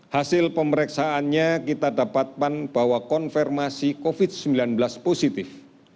hasil pemeriksaannya kita dapatkan bahwa konfirmasi covid sembilan belas positif